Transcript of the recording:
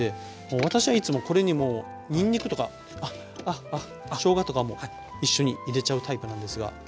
私はいつもこれにもうにんにくとかしょうがとかも一緒に入れちゃうタイプなんですが。